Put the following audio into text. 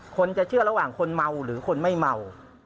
คนจะเชื่อระหว่างคนเมาหรือคนไม่เมา